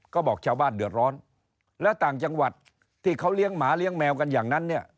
ก็บอกชาวบ้านเดือดร้อนแล้วต่างจังหวัดที่เขาเลี้ยงหมาเลี้ยงแมวกันอย่างนั้นเนี่ย